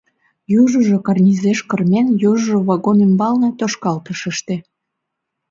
Южыжо карнизеш кырмен, южыжо вагон ӱмбалне, тошкалтышыште...